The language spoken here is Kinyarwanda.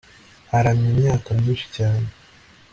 aramye imyaka myinshi cyane